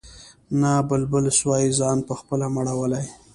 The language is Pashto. نه بلبل سوای ځان پخپله مړولای